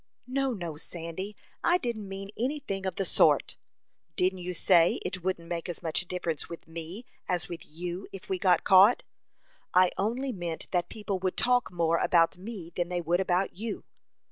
"No, no, Sandy, I didn't mean any thing of the sort." "Didn't you say it wouldn't make as much difference with me as with you, if we got caught?" "I only meant that people would talk more about me than they would about you."